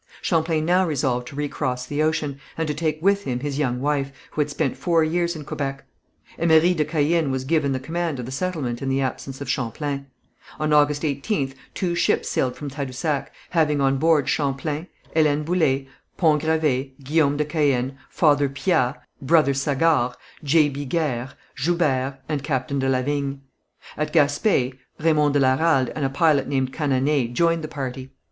Champlain now resolved to recross the ocean, and to take with him his young wife, who had spent four years in Quebec. Emery de Caën was given the command of the settlement in the absence of Champlain. On August 18th two ships sailed from Tadousac, having on board Champlain, Hélène Boullé, Font Gravé, Guillaume de Caën, Father Piat, Brother Sagard, J.B. Guers, Joubert, and Captain de la Vigne. At Gaspé, Raymond de la Ralde and a pilot named Cananée joined the party.